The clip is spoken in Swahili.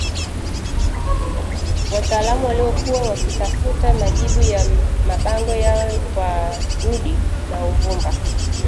Wataalamu waliokuwa wakitafuta majibu ya mabango yao kwa udi na uvumba